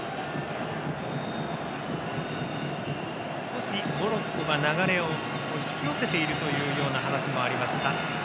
少しモロッコが流れを引き寄せているという話もありました。